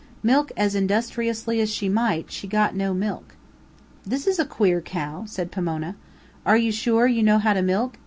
Milk as industriously as she might, she got no milk. "This is a queer cow," said Pomona. "Are you sure that you know how to milk?"